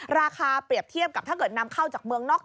ราคาเปรียบเทียบกับถ้าเกิดนำเข้าจากเมืองนอก